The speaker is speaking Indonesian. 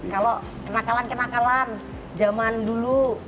kalau kenakalan kenakalan zaman dulu